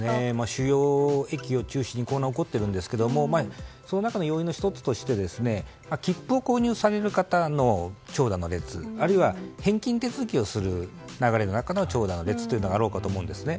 主要駅を中心に起こっているんですがその中の要因の１つとして切符を購入される方の長蛇の列あるいは、返金手続きをする流れの中の長蛇の列があろうかと思うんですね。